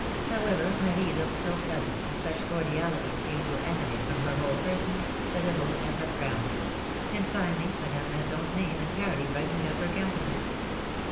268 PHiLOMi:]srE^s marriages. However, Marie looked so pleasant, and such cordiality seemed to emanate from her whole person, that the hostess unfrowned; and, finally, Madame Masson's name entirely brightened up her countenance.